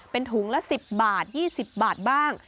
เป็นถุงละ๑๐บาท๒๐บาทบ้าง